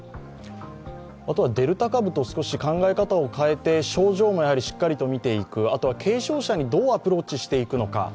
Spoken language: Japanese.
あとはデルタ株と考え方を変えて症状もしっかりみていく、あとは軽症者にどうアプローチしていくのか。